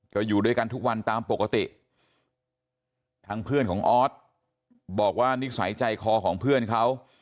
ก็อยู่ด้วยกันทุกวันตามปกติทางเพื่อนของออสบอกว่านิสัยใจคอของเพื่อนเขา